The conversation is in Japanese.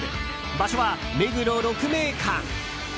場所は、目黒鹿鳴館。